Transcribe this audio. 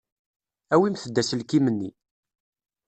Awimt-d aselkim-nni.